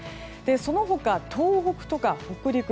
その他、東北とか北陸